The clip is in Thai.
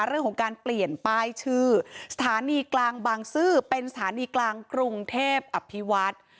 เรื่องของการเปลี่ยนป้ายชื่อสถานีกลางบางซื่อเป็นสถานีกลางกรุงเทพอภิวัฒน์